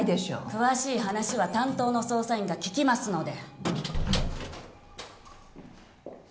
詳しい話は担当の捜査員が聞きますので。